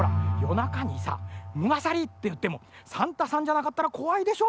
なかにさ「むがさり」っていってもサンタさんじゃなかったらこわいでしょ。